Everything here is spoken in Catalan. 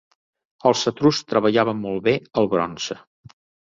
Els etruscs treballaven molt bé el bronze.